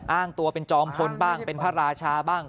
อ้างตัวเป็นจอมพลบ้างเป็นพระราชาบ้าง